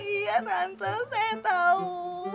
iya tante saya tahu